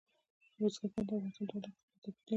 بزګان د افغانستان د ولایاتو په کچه توپیر لري.